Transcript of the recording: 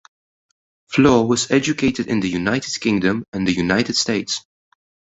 Flohr was educated in the United Kingdom and the United States.